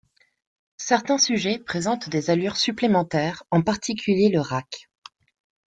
Certains sujets présentent des allures supplémentaires, en particulier le rack.